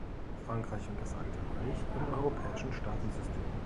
Frankreich und das Alte Reich im europäischen Staatensystem.